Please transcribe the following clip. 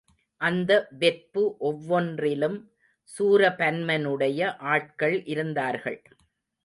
அந்த வெற்பு ஒவ்வொன்றிலும் சூரபன்மனுடைய ஆட்கள் இருந்தார்கள்.